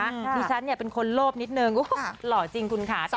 ครูชันเป็นคนโลภนิดนึง